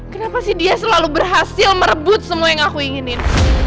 kenapa sih dia selalu berhasil merebut semua yang aku inginin